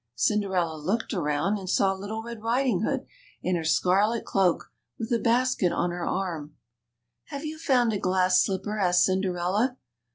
Cinderella looked around and saw Little Red Riding hood, in her scarlet cloak, with a basket on her arm. Have you found a glass slipper?" asked Cinderella.